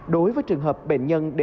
đối với trường hợp bệnh nhân đến bệnh viện